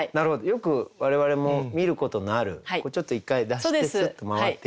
よく我々も見ることのあるちょっと１回出してすっと回っていく。